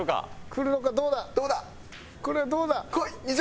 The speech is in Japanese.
これはどうだ？